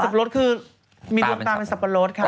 สับลดคือมีดวงตามเป็นสับลดค่ะ